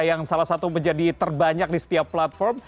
yang salah satu menjadi terbanyak di setiap platform